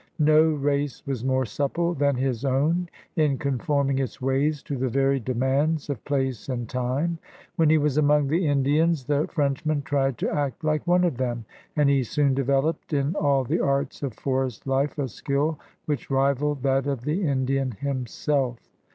No race was more supple than his own in conform ing its ways to the varied demands of place and time. When he was among the Indians, the Frenchman tried to act like one of them, and he soon developed in all the arts of forest life a skill which rivaled that of the Indian himself.